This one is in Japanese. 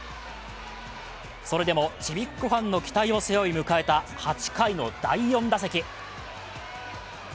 それでもちびっ子ファンの期待を背負い、迎えた８回の第４打席。